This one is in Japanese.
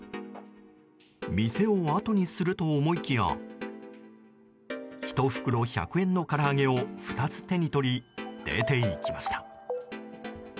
店をあとにすると思いきや１袋１００円のから揚げを２つ手に取り出ていきました。